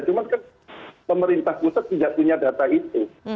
cuman kan pemerintah pusat tidak punya data itu